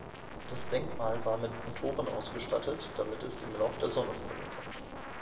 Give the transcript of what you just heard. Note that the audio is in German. Das Denkmal war mit Motoren ausgestattet, damit es dem Lauf der Sonne folgen konnte.